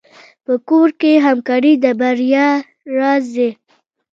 په کور کې همکاري د بریا راز دی.